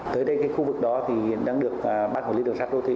tới đây cái khu vực đó thì đang được bác quản lý đường sát đô thị